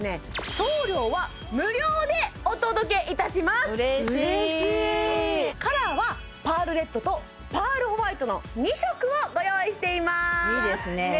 送料は無料でお届けいたします嬉しいカラーはパールレッドとパールホワイトの２色をご用意していますいいですねねえ